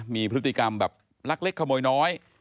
มีพฤติกรรมแบบลักเล็กขโมยน้อย